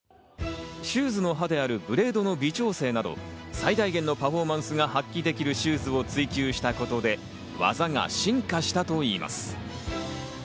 シューズの刃であるブレードの微調整など最大限のパフォーマンスが発揮できるシューズを追求したことで、技が進化したといいます。